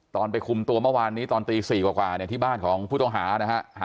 ไปคุมตัวเมื่อวานนี้ตอนตี๔กว่าเนี่ยที่บ้านของผู้ต้องหานะฮะ